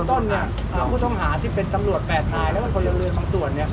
ต้นผู้ทำหาที่เป็นตำรวจแปดทายแล้วก็คนอย่างเรือนบางส่วน